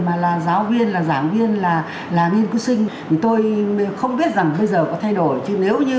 mà là giáo viên là giảng viên là nghiên cứu sinh thì tôi không biết rằng bây giờ có thay đổi chứ nếu như